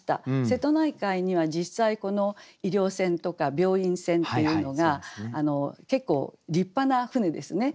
瀬戸内海には実際この医療船とか病院船っていうのが結構立派な船ですね。